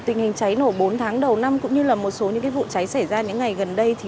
tình hình cháy nổ bốn tháng đầu năm cũng như là một số những vụ cháy xảy ra những ngày gần đây